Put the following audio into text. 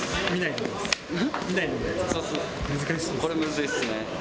これ、難しいですね。